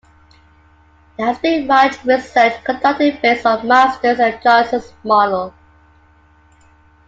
There has been much research conducted based on Masters and Johnson's model.